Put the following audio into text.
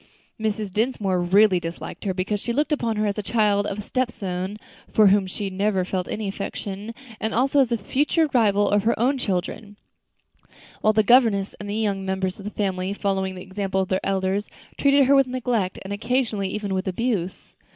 Mrs. Dinsmore really disliked her, because she looked upon her as the child of a stepson for whom she had never felt any affection, and also as the future rival of her own children; while the governess and the younger members of the family, following the example of their elders, treated her with neglect, and occasionally even with abuse.